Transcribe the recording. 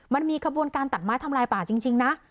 มันมีขบวนการตัดไม้ทำลายป่าจริงนะ